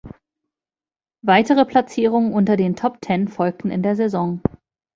Weitere Platzierungen unter den Top-Ten folgten in der Saison.